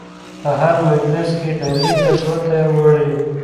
په هر مجلس کې علي ته ګوته وړي.